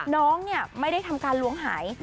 น้องไม่ได้ทำการล้วงหาย